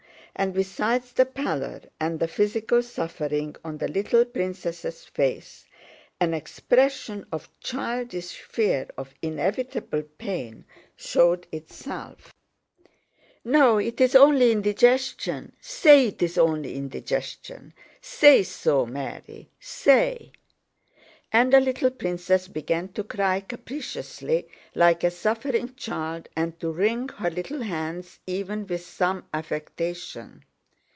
And besides the pallor and the physical suffering on the little princess' face, an expression of childish fear of inevitable pain showed itself. "No, it's only indigestion?... Say it's only indigestion, say so, Mary! Say..." And the little princess began to cry capriciously like a suffering child and to wring her little hands even with some affectation.